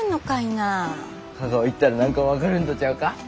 香川行ったら何か分かるんとちゃうか？